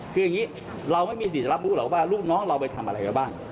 คืออย่างนี้เราไม่มีสิทธิ์จะรับรู้หรอกว่าลูกน้องเราไปทำอะไรมาบ้าง